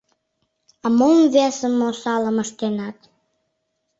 А мом весым осалым ыштенат?